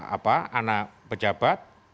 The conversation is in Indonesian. apa anak pejabat